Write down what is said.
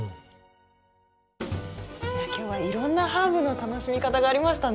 今日はいろんなハーブの楽しみ方がありましたね。